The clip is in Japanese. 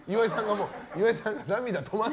岩井さんが涙止まら